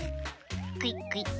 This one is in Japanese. クイックイッ。